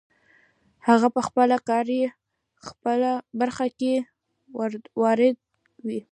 هغه په خپله کاري برخه کې وارد وي.